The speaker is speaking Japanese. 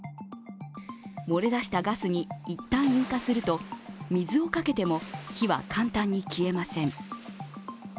漏れ出したガスに一旦引火すると水をかけても火は簡単に消えません。